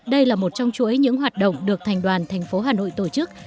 đây là một trong chuỗi những hoạt động được thành đoàn thành phố hà nội tổ chức